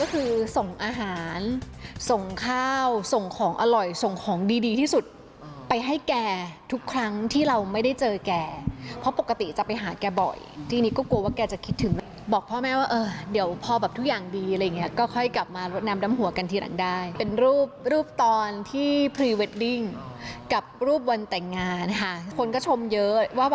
ก็คือส่งอาหารส่งข้าวส่งของอร่อยส่งของดีดีที่สุดไปให้แกทุกครั้งที่เราไม่ได้เจอแกเพราะปกติจะไปหาแกบ่อยทีนี้ก็กลัวว่าแกจะคิดถึงบอกพ่อแม่ว่าเออเดี๋ยวพอแบบทุกอย่างดีอะไรอย่างเงี้ยก็ค่อยกลับมาลดน้ำดำหัวกันทีหลังได้เป็นรูปรูปตอนที่พรีเวดดิ้งกับรูปวันแต่งงานค่ะคนก็ชมเยอะว่า